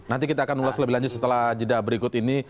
nanti kita akan ulas lebih lanjut setelah jeda berikut ini